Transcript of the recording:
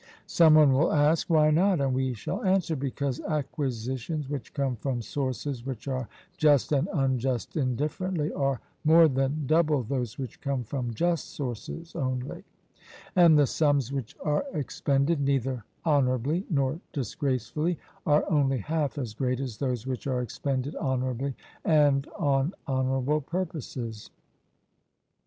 Some one will ask, why not? And we shall answer Because acquisitions which come from sources which are just and unjust indifferently, are more than double those which come from just sources only; and the sums which are expended neither honourably nor disgracefully, are only half as great as those which are expended honourably and on honourable purposes.